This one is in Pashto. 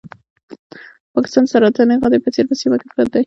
پاکستان د سرطاني غدې په څېر په سیمه کې پروت دی.